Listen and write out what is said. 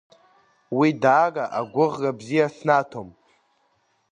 Уи даара агәыӷра бзиа снаҭом.